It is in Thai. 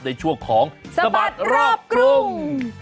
ในช่วงของสบัดรอบกรุง